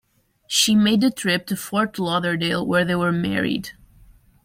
She made the trip to Fort Lauderdale where they were married.